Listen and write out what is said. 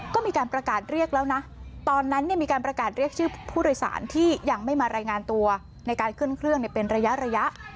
ก็มีการประกาศเรียกแล้วนะตอนนั้นมีการประกาศเรียกชื่อผู้โดยสารที่ยังไม่มารายงานตัวในการขึ้นเครื่องเป็นระยะ